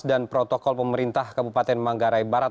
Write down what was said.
dan protokol pemerintah kabupaten manggarai barat